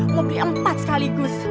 mau beli empat sekaligus